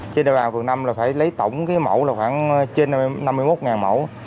trên đại bàng phường năm là phải lấy tổng cái mẫu là khoảng trên năm mươi một mẫu